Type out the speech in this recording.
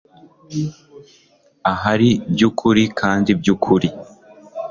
Ahari byukuri kandi byukuri